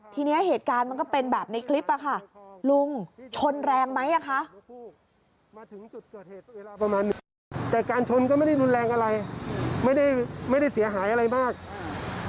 ทีนี้เหตุการณ์มันก็เป็นแบบในคลิปค่ะ